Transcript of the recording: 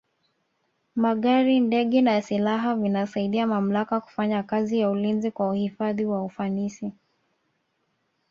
magari ndege na silaha vinasaidia mamlaka kufanya kazi ya ulinzi na uhifadhi kwa ufanisi